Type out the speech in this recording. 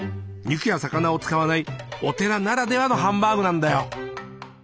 肉や魚を使わないお寺ならではのハンバーグなんだよ。